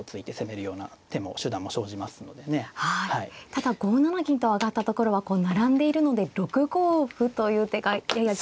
ただ５七銀と上がったところは並んでいるので６五歩という手がやや。